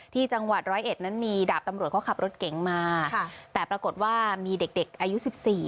ที่จังหวัดร้อยเอ็ดนั้นมีดาบตำรวจเขาขับรถเก๋งมาค่ะแต่ปรากฏว่ามีเด็กเด็กอายุสิบสี่